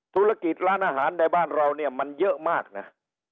ธุรกิจร้านอาหารในบ้านเราเนี่ยมันเยอะมากนะ